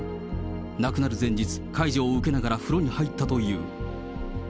亡くなる前日、介助を受けながら風呂に入ったという。